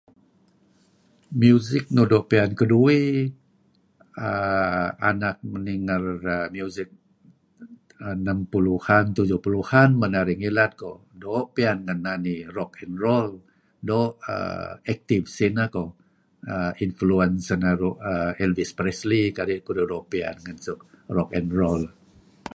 Music nuk doo' piyan keduih dih err anak ninger music enam puluhan, tujuh puluhan men narih ngilad ko', doo' piyan ngen nani rock n roll, doo' active sineh koh err influenced sinaru' Elvis Presley kadi' keduih doo' piyan ngen suk rock n roll.